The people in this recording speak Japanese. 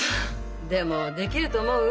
でもできると思う？